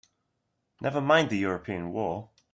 Never mind the European war!